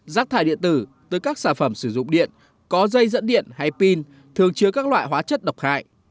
rác thải điện tử tới các sản phẩm sử dụng điện có dây dẫn điện hay pin thường chứa các loại hóa chất độc hại